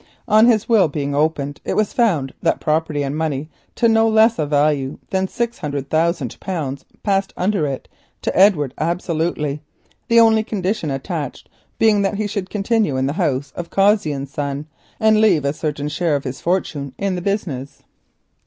On his will being opened, it was found that property and money to no less a value than 600,000 pounds passed under it to Edward absolutely, the only condition attached being that he should continue in the house of Cossey and Son and leave a certain share of his fortune in the business.